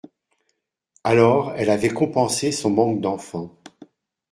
Alors elle avait compensé son manque d’enfant